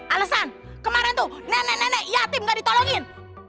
alasan kemarin tuh nenek nenek yatim gak ditolongin